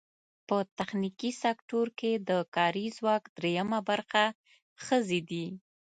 په تخنیکي سکټور کې د کاري ځواک درېیمه برخه ښځې دي.